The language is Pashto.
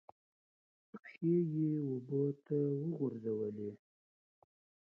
پښې یې اوبو ته ورغځولې.